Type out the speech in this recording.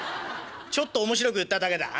ちょっと面白く言っただけだああ。